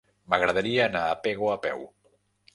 M'agradaria anar a Pego a peu.